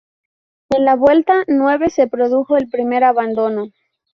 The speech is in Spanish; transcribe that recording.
En la vuelta nueve se produjo el primer abandono.